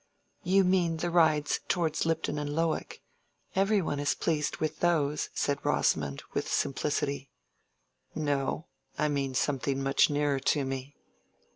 "You mean the rides towards Tipton and Lowick; every one is pleased with those," said Rosamond, with simplicity. "No, I mean something much nearer to me."